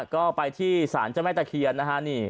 ก็ไปที่ศาลเจ้าแม่ตะเคียนนะฮะ